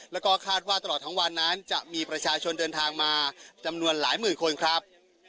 แล้วก็คาดว่าตลอดทั้งวันนั้นจะมีประชาชนเดินทางมาจำนวนหลายหมื่นคนครับ